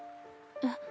えっ？